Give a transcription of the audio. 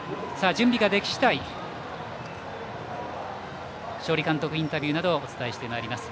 準備ができ次第勝利監督インタビューなどをお伝えしてまいります。